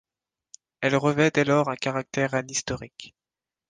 Elle revêt dès lors un caractère anhistorique.